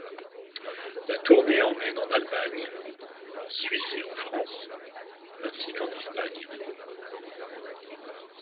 La tournée emmène en Allemagne, en Suisse et en France, ainsi qu'en Espagne.